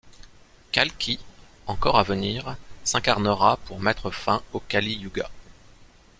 Kalki, encore à venir, s'incarnera pour mettre fin au Kali Yuga.